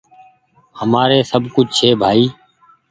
همآر سب ڪڇه ڇي ڀآئي